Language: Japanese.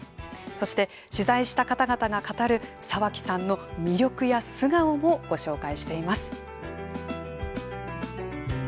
そして取材した方々が語る沢木さんの魅力や素顔もご紹介しています。